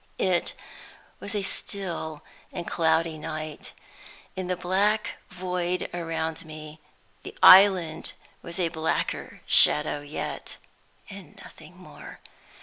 It was a still and cloudy night. In the black void around me, the island was a blacker shadow yet, and nothing more.